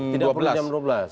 tidak perlu jam dua belas